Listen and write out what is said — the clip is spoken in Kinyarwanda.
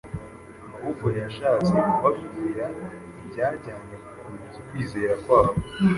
ahubwo yashatse kubabwira ibyajyaga gukomeza ukwizera kwabo,